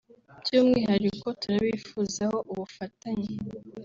"By’umwihariko turabifuzaho ubufatanye